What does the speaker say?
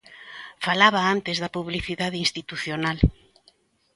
Falaba antes da publicidade institucional.